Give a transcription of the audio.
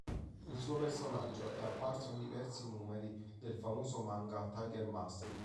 Il suo personaggio è apparso in diversi numeri del famoso manga Tiger Mask.